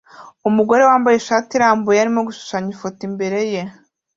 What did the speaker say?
Umugore wambaye ishati irambuye arimo gushushanya ifoto imbere ye